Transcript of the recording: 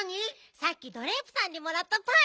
さっきドレープさんにもらったパイ。